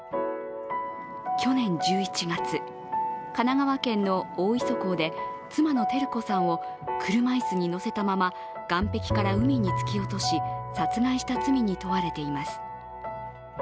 去年１１月、神奈川県の大磯港で妻の照子さんを車椅子に乗せたまま岸壁から海に突き落とし殺害した罪に問われています。